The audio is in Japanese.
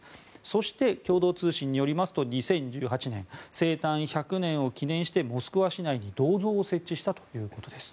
そして、共同通信によりますと２０１８年生誕１００年を記念してモスクワ市内に銅像を設置したということです。